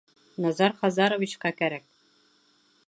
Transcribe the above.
Назар Хазаровичҡа кәрәк!